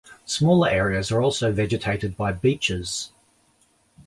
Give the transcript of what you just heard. Smaller areas are also vegetated by beeches.